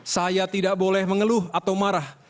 saya tidak boleh mengeluh atau marah